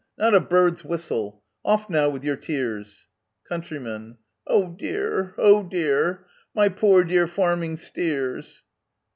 Not a bird's whistle ! OfF now, with your tears ! Count. Oh dear ! oh dear ! my poor dear farming steers